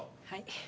はい。